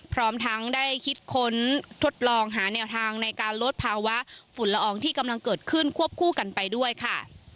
พร้อมทั้งได้คิดค้นทดลองหาแนวทางในการลดภาวะฝุ่นละอองที่กำลังเกิดขึ้นควบคู่กันไปด้วยค่ะ